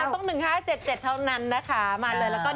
ต้อง๑ครับเห็นอาจจะเท่านั้นนะคะมาแล้วแล้วเนี่ยรู้